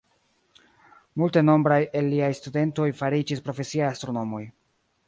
Multenombraj el liaj studentoj fariĝis profesiaj astronomoj.